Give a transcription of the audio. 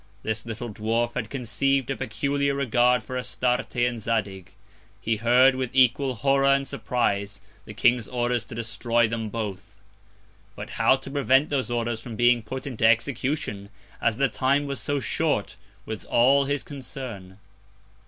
This little Dwarf had conceiv'd a peculiar Regard for Astarte and Zadig: He heard, with equal Horror and Surprize, the King's Orders to destroy them both. But how to prevent those Orders from being put into Execution, as the Time was so short, was all his Concern.